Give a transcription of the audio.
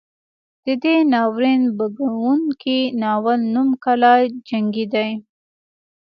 د دې ناورین بوږنوونکي ناول نوم کلا جنګي دی.